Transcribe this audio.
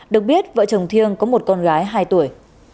được biết vợ chồng thiêng có một con gái hai tuổi